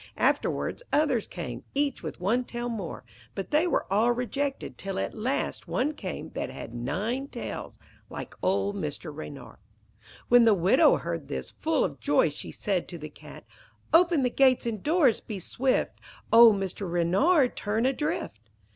Afterwards others came, each with one tail more; but they were all rejected, till at last one came that had nine tails like old Mr. Reynard. When the widow heard this, full of joy, she said to the Cat 'Open the gates and doors; be swift. Old Mr. Reynard turn adrift.'